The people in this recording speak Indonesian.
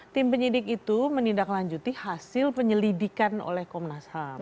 tim penyidik itu menindaklanjuti hasil penyelidikan oleh komnas ham